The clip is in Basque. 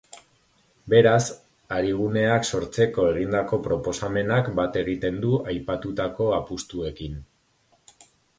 Beraz, ariguneak sortzeko egindako proposamenak bat egiten du aipatutako apustuekin.